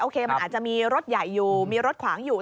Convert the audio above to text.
มันอาจจะมีรถใหญ่อยู่มีรถขวางอยู่